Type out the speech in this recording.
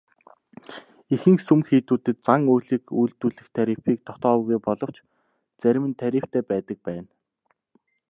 Ихэнх сүм хийдүүдэд зан үйлийг үйлдүүлэх тарифыг тогтоогоогүй боловч зарим нь тарифтай байдаг байна.